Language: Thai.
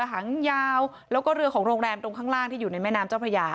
หางยาวแล้วก็เรือของโรงแรมตรงข้างล่างที่อยู่ในแม่น้ำเจ้าพระยา